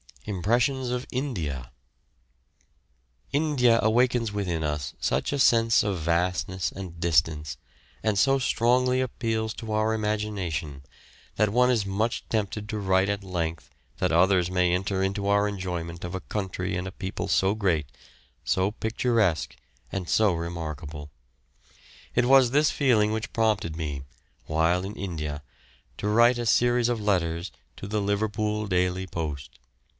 IMPRESSIONS OF INDIA. India awakens within us such a sense of vastness and distance, and so strongly appeals to our imagination, that one is much tempted to write at length that others may enter into our enjoyment of a country and a people so great, so picturesque, and so remarkable. It was this feeling which prompted me, while in India, to write a series of letters to the Liverpool Daily Post.